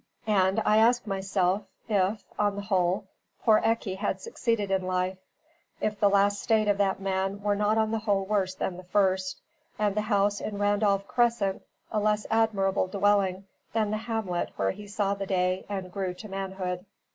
And I asked myself if, on the whole, poor Ecky had succeeded in life; if the last state of that man were not on the whole worse than the first; and the house in Randolph Crescent a less admirable dwelling than the hamlet where he saw the day and grew to manhood.